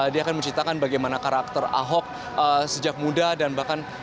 dia akan menceritakan bagaimana karakter ahok sejak muda dan bahkan